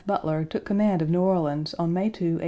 Butler took command of New Orleans on May 2, 1862.